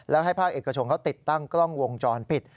และให้ภาคเอกชนเขาติดตั้งกล้องวงจรปิด